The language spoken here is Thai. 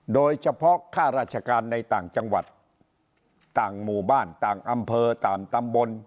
โดยเฉพาะค่าราชการในต่างจังหวัดต่างหมู่บ้านต่างอำเภอต่างตำบล